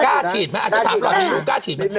กล้าฉีดไหมอาจจะถามเรานี้กล้าฉีดไหม